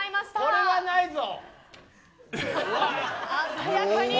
これはないぞ。